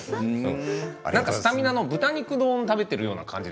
スタミナの豚肉丼を食べているような感じ。